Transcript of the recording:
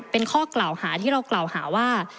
เป็นข้อกล่าวหาที่เรากล่าวหาว่า